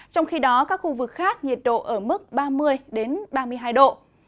trong khi đó các khu vực khác nhiệt độ ở mức ba mươi ba mươi hai độ